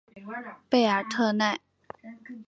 贝尔特奈。